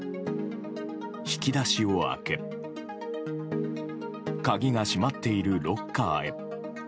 引き出しを開け鍵が閉まっているロッカーへ。